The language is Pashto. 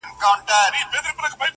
نجات نه ښکاري د هيچا له پاره,